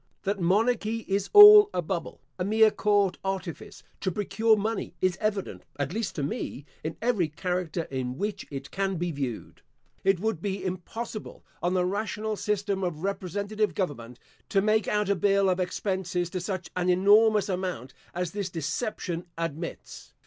That monarchy is all a bubble, a mere court artifice to procure money, is evident (at least to me) in every character in which it can be viewed. It would be impossible, on the rational system of representative government, to make out a bill of expenses to such an enormous amount as this deception admits.